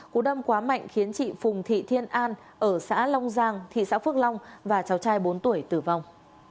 cú đâm quá mạnh khiến chị phùng thị thiên an ở xã long giang thị xã phước long và cháu trai bốn tuổi tử vong